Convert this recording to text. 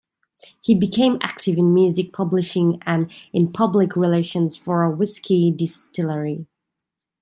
He became active in music publishing and in public relations for a whiskey distillery.